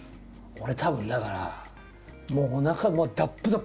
俺たぶんだからもうおなかだっぷだぷ